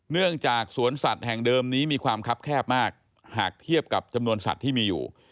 เนื่องจากสวนสัตว์แห่งเดิมนี้มีความคับแคบมากหากเทียบกับจำนวนสัตว์ที่มีอยู่